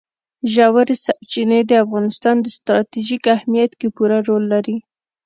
ژورې سرچینې د افغانستان په ستراتیژیک اهمیت کې پوره رول لري.